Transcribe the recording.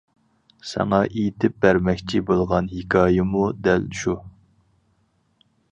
ساڭا ئېيتىپ بەرمەكچى بولغان ھېكايىمۇ دەل شۇ.